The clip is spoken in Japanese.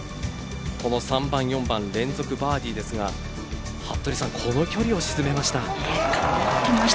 この３番、４番連続バーディーですがこの距離を沈めました。